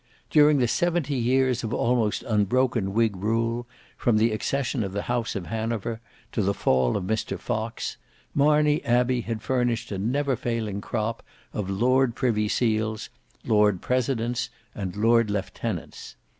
During the seventy years of almost unbroken whig rule, from the accession of the House of Hanover to the fall of Mr Fox, Marney Abbey had furnished a never failing crop of lord privy seals, lord presidents, and lord lieutenants.